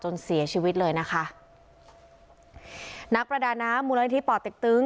จนเสียชีวิตเลยนะคะนักประดาน้ำมูลัยที่ปอดติดตึง